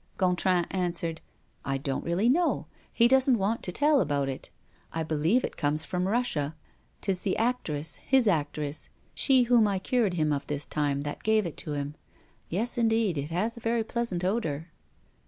Gontran answered: "I don't really know; he doesn't want to tell about it. I believe it comes from Russia. 'Tis the actress, his actress, she whom I cured him of this time, that gave it to him. Yes, indeed, it has a very pleasant odor."